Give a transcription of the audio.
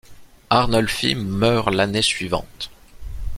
Arnulphy meurt l'année suivante.